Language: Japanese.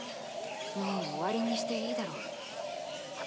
もう終わりにしていいだろ。